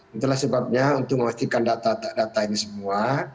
itulah sebabnya untuk memastikan data data ini semua